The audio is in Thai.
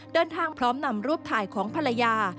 เดินทางพร้อมนำรูปถ่ายของภรรยา